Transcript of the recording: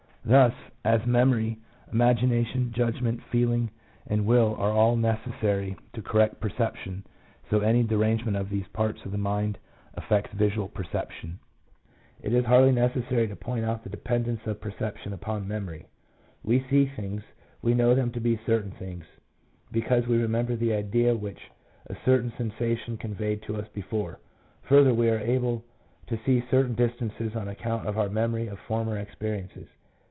Thus, as memory, imagina tion, judgment, feeling, and will are all necessary to correct perception, so any derangement of these parts of the mind affects visual perception. It is hardly necessary to point out the dependence of perception upon memory. We see things, we know them to be certain things, because we remember the idea which a certain sensation conveyed to us before. Further, we are able to see certain distances on account of our memory of former experiences.